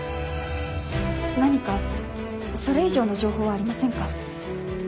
何かそれ以上の情報はありませんか？